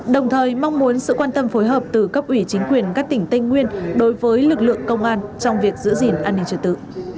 đồng thời mong muốn sự quan tâm phối hợp từ cấp ủy chính quyền các tỉnh tây nguyên đối với lực lượng công an trong việc giữ gìn an ninh trật tự